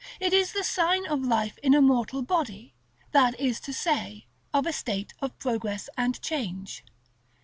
It is the sign of life in a mortal body, that is to say, of a state of progress and change.